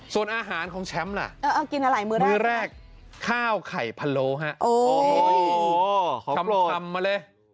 ส่วนอาหารของแชมป์ล่ะมื้อแรกข้าวไข่พะโลฮะโอ้โฮขอบโปรด